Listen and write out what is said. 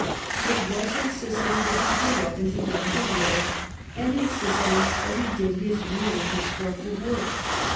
It was in Sicily that he grew up and began to rule, and in Sicily that he did his really constructive work.